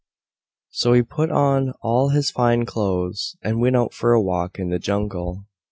So he put on all his Fine Clothes, and went out for a walk in the Jungle.